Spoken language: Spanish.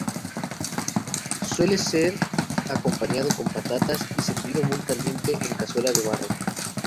Suele ser acompañado con patatas y servido muy caliente en cazuela de barro.